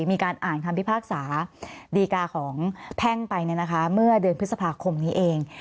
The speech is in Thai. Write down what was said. มีการอ่านคำพิพากษาดีกาของแพ่งไปเมื่อเดือนพฤษภาคมนี้เอง